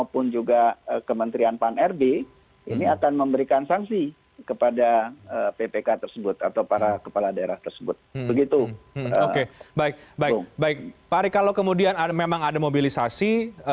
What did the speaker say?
pak ari kalau kemudian memang ada mobilisasi